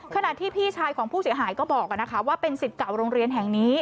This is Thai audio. ขณะที่พี่ชายของผู้เสียหายก็บอกว่าเป็นสิทธิ์เก่าโรงเรียนแห่งนี้